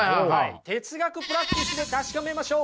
哲学プラクティスで確かめましょう。